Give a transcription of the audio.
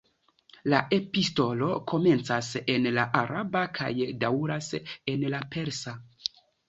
La epistolo komencas en la araba kaj daŭras en la persa.